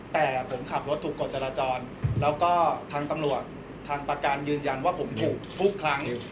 แต่ผมขับรถถูกกฎจรรยาจรทางประการยืนยังว่าผมถูกพุทธครั้ง